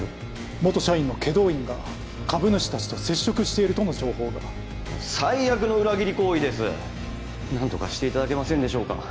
元社員の祁答院が株主たちと接触しているとの情報が最悪の裏切り行為です何とかしていただけませんでしょうか